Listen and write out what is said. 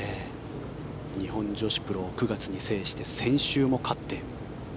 日本女子プロを９月に制して先週も勝って。